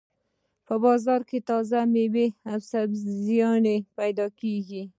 په بازار کې تازه مېوې او سبزيانې پیدا کېږي.